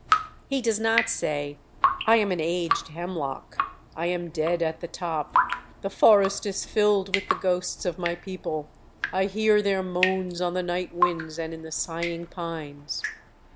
He does not say: "I am an aged hemlock. I am dead at the top. The forest is filled with the ghosts of my people. I hear their moans on the night winds and in the sighing pines."